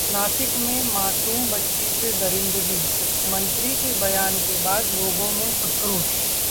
नासिक में मासूम बच्ची से दरिंदगी, मंत्री के बयान के बाद लोगों में आक्रोश